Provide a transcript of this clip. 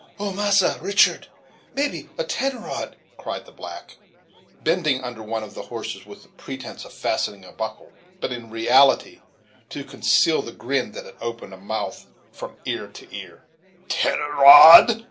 "Oh! massa Richard, maybe a ten rod," cried the black, bending under one of the horses, with the pretence of fastening a buckle, but in reality to conceal the grin that opened a mouth from ear to ear. "Ten rod!"